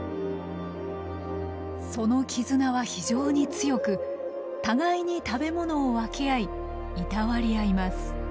その絆は非常に強く互いに食べ物を分け合いいたわり合います。